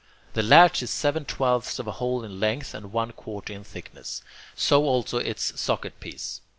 The latch is seven twelfths of a hole in length and one quarter in thickness. So also its socket piece.